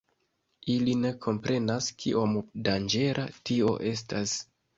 Ili ne komprenas kiom danĝera tio estas.